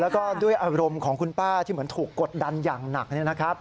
แล้วก็ด้วยอารมณ์ของคุณป้าที่เหมือนถูกกดดันอย่างหนัก